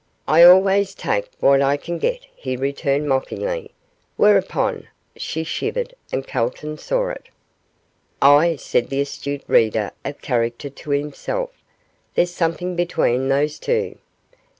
'I always take what I can get,' he returned, mockingly; whereon she shivered, and Calton saw it. 'Ah!' said that astute reader of character to himself, 'there's something between those two.